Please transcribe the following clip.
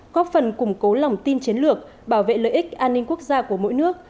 góp phần củng cố lòng tin chiến lược bảo vệ lợi ích an ninh quốc gia của mỗi nước